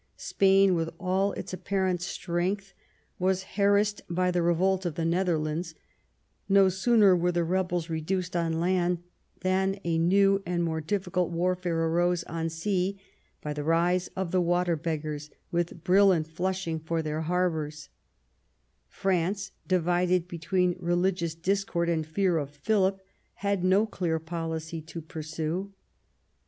Spain, with all its apparent strength, was harassed by the revolt of the Netherlands ; no sooner were the rebels reduced on land than a new and more difficult war THE EXCOMMUNICATION OF ELIZABETH, 149 fare arose on sea, by the rise of the Water Beggars," with Brill and Flushing for their harbours, France, divided between religious discord and fear of Philip, had no clear policy to pursue.